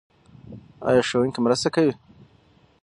ایا ښوونکی مرسته کوي؟